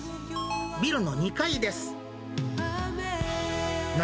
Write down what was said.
ビルの２階です。